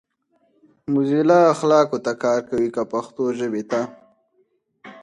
موزیلا اخلاقو ته کار کوي کۀ پښتو ژبې ته؟